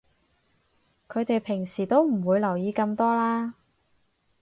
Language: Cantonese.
佢哋平時都唔會留意咁多啦